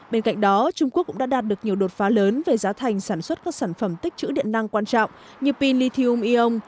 bên cạnh đó trung quốc cũng đã đạt được nhiều đột phá lớn về giá thành sản xuất các sản phẩm tích chữ điện năng quan trọng như pin lithium ion